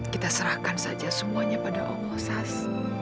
kita serahkan saja semuanya pada allah sas